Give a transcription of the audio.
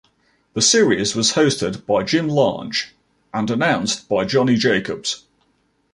The series was hosted by Jim Lange and announced by Johnny Jacobs.